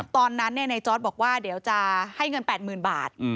ตอนนั้นในจอร์ดบอกว่าเดี๋ยวจะให้เงิน๘๐๐๐บาท